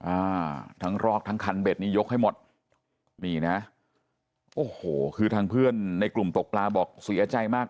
อ่าทั้งรอกทั้งคันเบ็ดนี่ยกให้หมดนี่นะโอ้โหคือทางเพื่อนในกลุ่มตกปลาบอกเสียใจมาก